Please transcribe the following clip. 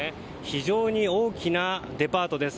非常に大きなデパートです。